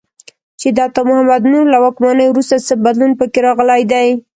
چې د عطا محمد نور له واکمنۍ وروسته څه بدلون په کې راغلی دی.